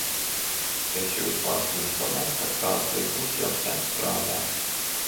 Es jūs varu informēt, ka tāds likums jau sen strādā.